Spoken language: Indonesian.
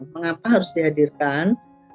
mengapa harus dihadirkan